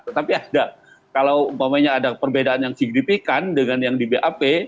tetapi ada kalau umpamanya ada perbedaan yang signifikan dengan yang di bap